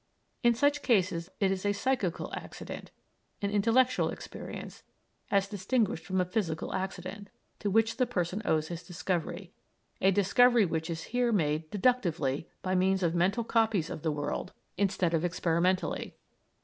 In such cases it is a psychical accident, an intellectual experience, as distinguished from a physical accident, to which the person owes his discovery a discovery which is here made "deductively" by means of mental copies of the world, instead of experimentally.